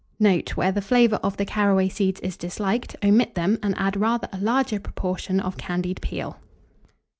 Note. Where the flavour of the caraway seeds is disliked, omit them, and add rather a larger proportion of candied peel.